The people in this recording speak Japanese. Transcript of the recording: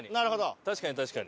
確かに確かに。